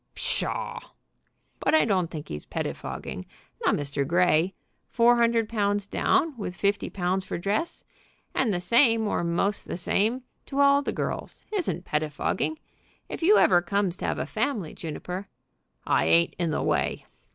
"Pshaw!" "But I don't think he's pettifogging; not Mr. Grey. Four hundred pounds down, with fifty pounds for dress, and the same, or most the same, to all the girls, isn't pettifogging. If you ever comes to have a family, Juniper " "I ain't in the way."